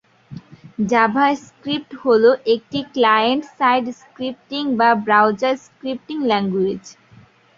JavaScript হল একটি client side scripting বা ব্রাউজার স্ক্রিপ্টিং ল্যাংগুয়েজ।